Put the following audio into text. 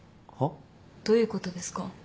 どういうことですか？